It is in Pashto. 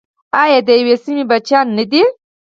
آیا د یوې سیمې بچیان نه دي؟